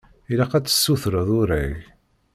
Ilaq ad tessutreḍ urag.